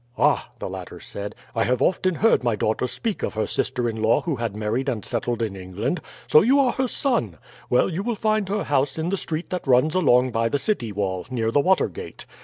"Ah!" the latter said, "I have often heard my daughter speak of her sister in law who had married and settled in England. So you are her son? Well, you will find her house in the street that runs along by the city wall, near the Watergate.